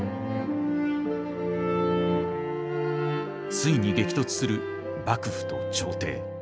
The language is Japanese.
ついに激突する幕府と朝廷。